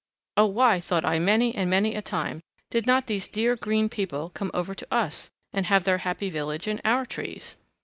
Oh, why, thought I many and many a time, did not these dear green people come over to us and have their happy village in our trees!